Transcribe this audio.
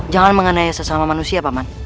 jangan mengenai sesama manusia paman